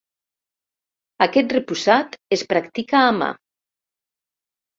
Aquest repussat es practica a mà.